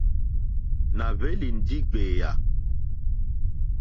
Nà hwélì ndí ɡbèyà.